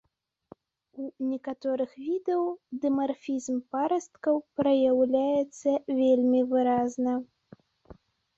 У некаторых відаў дымарфізм парасткаў праяўляецца вельмі выразна.